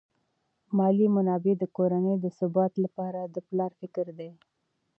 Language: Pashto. مالی منابع د کورنۍ د ثبات لپاره د پلار فکر دي.